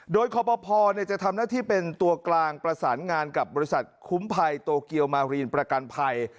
โดยคอปภจะทำหน้าที่เป็นตัวกลางประสานงานกับบริษัทคุ้มภัยโตเกียวมารีนประกันภัย